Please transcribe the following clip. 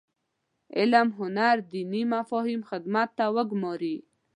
علم هنر دیني مفاهیم خدمت ته وګوماري.